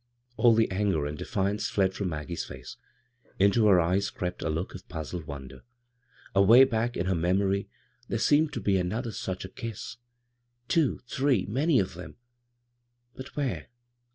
All the anger and dehance fled from Mag gie's face. Into her eyes crept a look of puzzled wonder. Away back in her memory there seemed to be another such a kiss— two, three, many of them ; but where